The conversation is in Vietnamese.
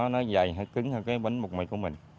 nó dày hay cứng hơn cái bánh bột mì của mình